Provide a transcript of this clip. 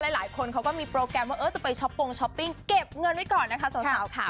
หลายคนเขาก็มีโปรแกรมว่าจะไปช้อปปงช้อปปิ้งเก็บเงินไว้ก่อนนะคะสาวค่ะ